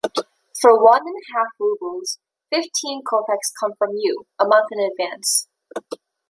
For one and a half rubles, fifteen kopecks come from you, a month in advance.